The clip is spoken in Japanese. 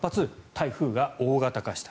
台風が大型化した。